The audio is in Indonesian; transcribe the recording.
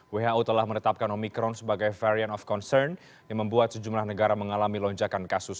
who telah menetapkan omikron sebagai variant of concern yang membuat sejumlah negara mengalami lonjakan kasus